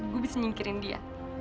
gue bisa nyingkirin dia